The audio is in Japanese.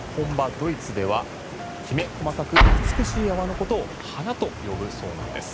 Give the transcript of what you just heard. ドイツではきめ細かく美しい泡のことを花と呼ぶそうなんです。